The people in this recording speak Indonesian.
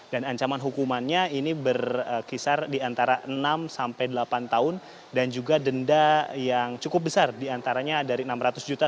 dan ancaman hukumannya ini berkisar di antara enam sampai delapan tahun dan juga denda yang cukup besar diantaranya dari enam ratus juta